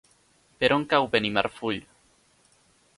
Per on cau Benimarfull?